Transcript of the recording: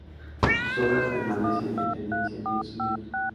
Sus obras permanecen en tenencia de sus nietos.